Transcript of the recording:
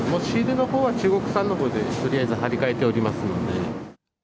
仕入れのほうは中国産のほうでとりあえず貼り替えておりますので。